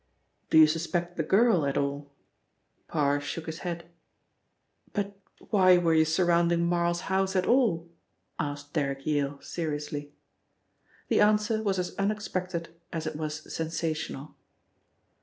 "Do you suspect the girl at all?" Parr shook his head. "But why were you surrounding Marl's house at all?" asked Derrick Yale seriously. The answer was as unexpected as it was sensational.